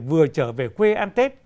vừa trở về quê an tết